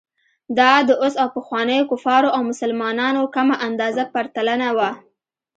دا د اوس او پخوانیو کفارو او مسلمانانو کمه اندازه پرتلنه وه.